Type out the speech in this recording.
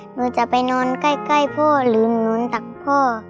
หนูจะไปนอนใกล้พ่อหรือหนูดักพ่อ